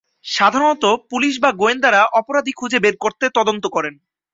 সাধারণত পুলিশ বা গোয়েন্দারা অপরাধী খুজে বের করতে তদন্ত করেন।